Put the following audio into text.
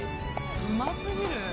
うま過ぎる。